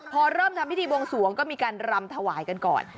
พอเริ่มทำพิธีบวงสวงก็มีการรำถวายกันก่อน